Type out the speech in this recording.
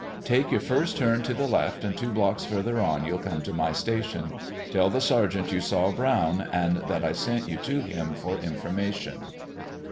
Take your first turn to the left, and two blocks further you'll come to my station. Tell the sergeant you saw Brown, and that I sent you to him for information."